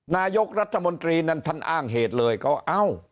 นายกรัฐมนตรีนั้นท่านอ้างเหตุเลยก็เอ้า